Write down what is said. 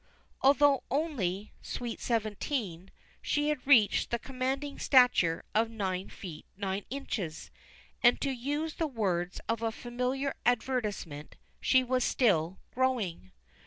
Although only "sweet seventeen," she had reached the commanding stature of nine feet nine inches, and, to use the words of a familiar advertisement, she was "still growing."